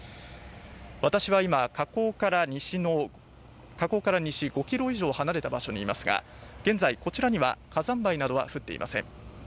私は今、火口から西５ｋｍ以上離れた場所にいますが現在こちらには火山灰などは降っていません。